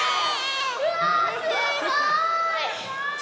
うわすごい！